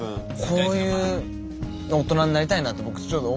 こういう大人になりたいなと僕ちょっと思いました。